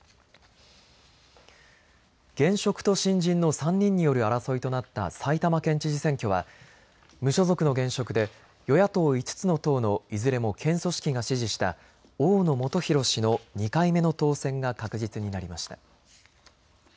現職と新人の３人による争いとなった埼玉県知事選挙は無所属の現職で与野党５つの党のいずれも県組織が支持した大野元裕氏の２回目の当選が確実になりました。